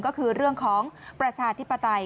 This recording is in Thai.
ก็คือเรื่องของประชาธิปไตย